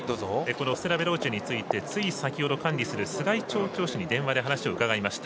ステラヴェローチェについてつい先ほど管理する須貝調教師に電話で話を伺いました。